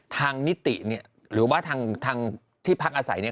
นิติเนี่ยหรือว่าทางที่พักอาศัยเนี่ย